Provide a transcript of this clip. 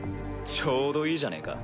ちょうどいいじゃねえか。